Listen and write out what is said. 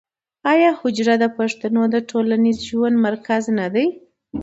آیا حجره د پښتنو د ټولنیز ژوند مرکز نه دی؟